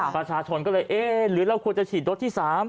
ประชาชนก็เลยเอ๊ะหรือเราควรจะฉีดโดสที่๓